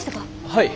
はい。